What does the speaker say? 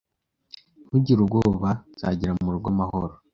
Ntugire ubwoba. Nzagera mu rugo amahoro.